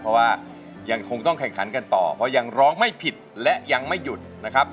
เพราะว่ายังคงต้องแข่งขันกันต่อเพราะยังร้องไม่ผิดและยังไม่หยุดนะครับ